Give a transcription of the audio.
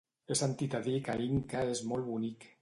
He sentit a dir que Inca és molt bonic.